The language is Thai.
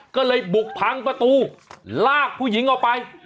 ก็เลยบุกพังประตูลากผู้หญิงออกไป